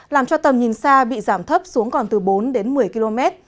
làm cho tầm nhìn xa bị giảm thấp xuống còn từ bốn đến một mươi km